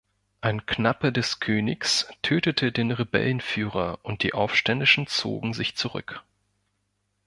Ein Knappe des Königs tötete den Rebellenführer und die Aufständischen zogen sich zurück.